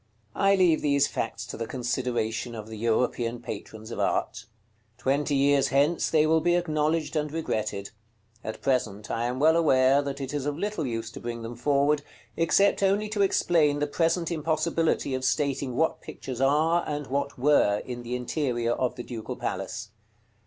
§ CXL. I leave these facts to the consideration of the European patrons of art. Twenty years hence they will be acknowledged and regretted; at present, I am well aware, that it is of little use to bring them forward, except only to explain the present impossibility of stating what pictures are, and what were, in the interior of the Ducal Palace.